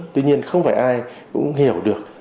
tuy nhiên không phải ai cũng hiểu được